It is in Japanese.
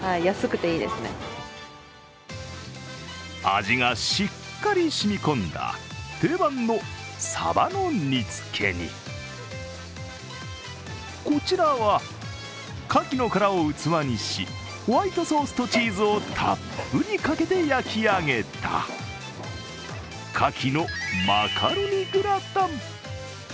味がしっかり染み込んだ定番のサバの煮つけにこちらは、カキの殻を器にしホワイトソースとチーズをたっぷりかけて焼き上げたカキのマカロニグラタン。